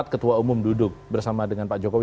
ketua umum duduk bersama dengan pak jokowi